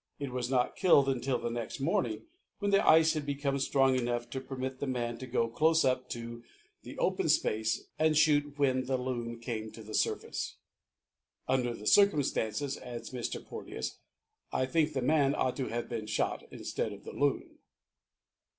It was not killed until the next morning, when the ice had become strong enough to permit the man to go close up to the open space and shoot when the Loon came to the surface. "Under the circumstances," adds Mr. Porteous, "I think the man ought to have been shot instead of the Loon."